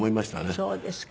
そうですか。